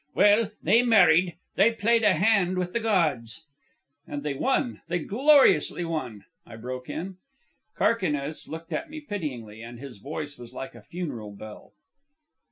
Well, they married. They played a hand with the gods " "And they won, they gloriously won!" I broke in. Carquinez looked at me pityingly, and his voice was like a funeral bell.